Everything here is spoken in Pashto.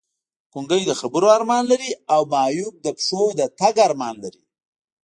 ګونګی د خبرو ارمان لري او معیوب پښو تګ ارمان لري!